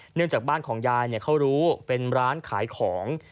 เนื่องจากบ้านของยายเขารู้เป็นร้านขายของ